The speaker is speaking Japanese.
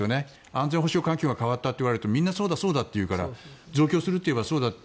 安全保障環境が変わってもみんな、そうだそうだと言うから増強するといえばそうだと。